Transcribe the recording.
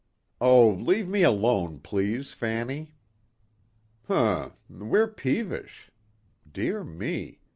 "Oh, leave me alone, please, Fanny." "Hm! We're peevish. Dear me.